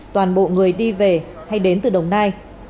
toàn bộ người đi về hay đến từ đồng nai